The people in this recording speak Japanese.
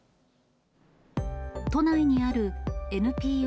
都内にあるＮＰＯ